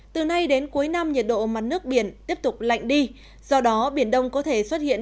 từ nay đến cuối năm nhiệt độ mặt nước biển tiếp tục lạnh đi do đó biển đông có thể xuất hiện